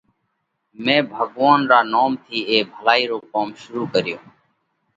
مئين ڀڳوونَ را نوم ٿِي اي ڀلائِي رو ڪوم شُروع ڪريوھ۔